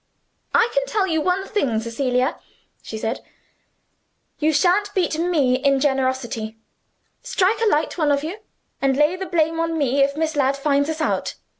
"I can tell you one thing, Cecilia," she said; "you shan't beat ME in generosity. Strike a light, one of you, and lay the blame on me if Miss Ladd finds us out.